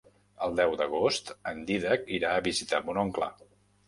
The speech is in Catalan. El deu d'agost en Dídac irà a visitar mon oncle.